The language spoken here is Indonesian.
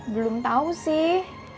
belum tau sih